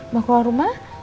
mau keluar rumah